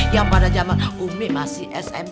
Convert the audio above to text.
yang pada zaman umi masih smt